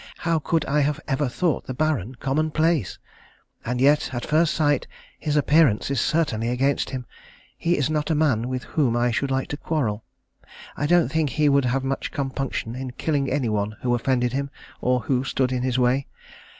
How could I have ever thought the Baron common place! And yet, at first sight, his appearance is certainly against him. He is not a man with whom I should like to quarrel. I don't think he would have much compunction in killing any one who offended him, or who stood in his way.